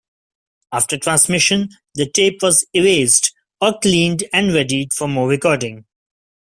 After transmission, the tape was erased or cleaned and readied for more recording.